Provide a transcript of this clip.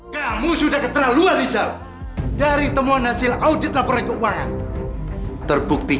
bukan anak dan suami yang baik